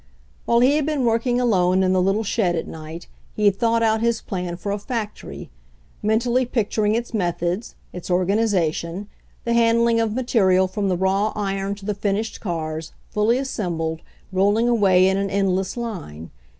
While he had been working alone in the little shed at night, he had thought out his plan for a factory, mentally picturing its methods, its or ganization, the handling of material from the raw iron to the finished cars, fully assembled, rolling away in an endless line.